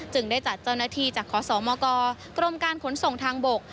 ได้จัดเจ้าหน้าที่จากขอสมกกรมการขนส่งทางบก